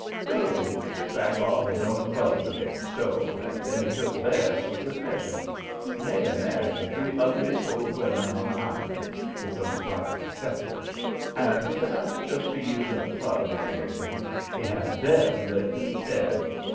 "Rosy took back all his own clothes that they'd stole, and then he took theirs for good measure. He made 'em marry the three ugliest old women on the island his own bride excepted and when they undertook to use a club or anything, he had THEM licked instead.